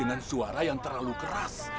dengan suara yang terlalu keras